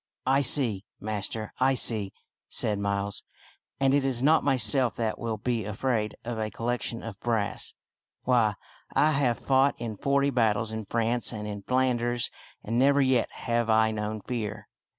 " I see, master, I see," said Miles ;" and it is not myself that will be afraid of a collection of brass. Why, I have fought in forty battles in France and in Flanders, and never yet have I known fear."